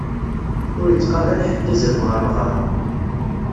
Ur ittqabal ḥedd azrem ɣeṛ lɣaṛ.